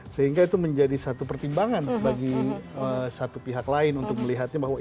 sehingga itu menjadi satu pertimbangan bagi satu pihak lain untuk melihatnya bahwa